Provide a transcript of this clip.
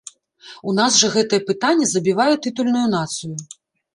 У нас жа гэтае пытанне забівае тытульную нацыю.